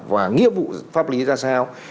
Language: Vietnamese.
và nghĩa vụ pháp lý ra sao